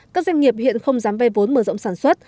các doanh nghiệp hiện không dám ve vốn mở rộng sản xuất